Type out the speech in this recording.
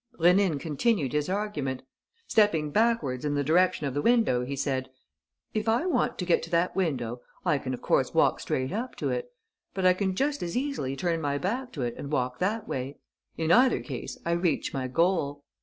Rénine continued his argument. Stepping backwards in the direction of the window, he said: "If I want to get to that window, I can of course walk straight up to it; but I can just as easily turn my back to it and walk that way. In either case I reach my goal."